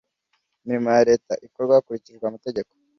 Imirimo ya Leta ikorwa hakurikijwe amategeko.